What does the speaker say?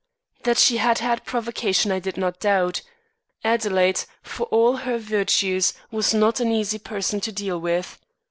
That she had had provocation I did not doubt. Adelaide, for all her virtues, was not an easy person to deal with.